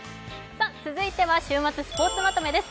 続いては週末スポーツまとめです。